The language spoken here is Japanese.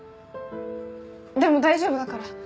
でも大丈夫だから。